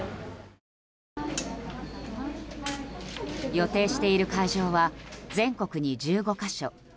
予定している会場は全国に１５か所。